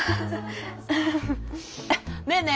ねえねえ